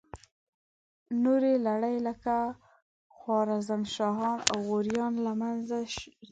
نورې لړۍ لکه خوارزم شاهان او غوریان را منځته شوې.